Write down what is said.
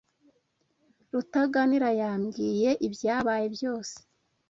Rutaganira yambwiye ibyabaye byose.